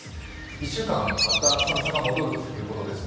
１週間、また寒さが戻るということですね。